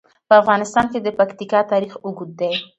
په افغانستان کې د پکتیکا تاریخ اوږد دی.